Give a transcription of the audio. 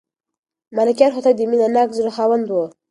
ملکیار هوتک د مینه ناک زړه خاوند و.